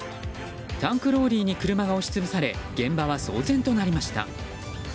タンクローリーに車が押し潰され現場は騒然となりました。